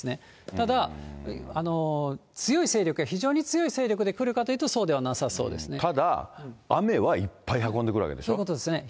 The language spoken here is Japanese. ただ、強い勢力や非常に強い勢力で来るかというとそうではなさそうですただ、雨はいっぱい運んでくそういうことですね。